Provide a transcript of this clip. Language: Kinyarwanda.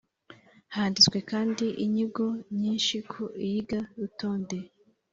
Handitswe kandi inyigo nyinshyi ku iyigarutonde,